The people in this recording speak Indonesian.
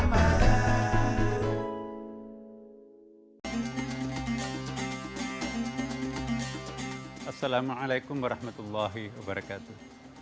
assalamualaikum warahmatullahi wabarakatuh